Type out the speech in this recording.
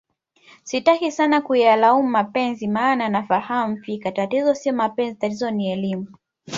sitaki sana kuyalaumu mapenzi maana nafahamu fika tatizo sio mapenzi tatizo ni elimu